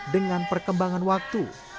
dengan perkembangan waktu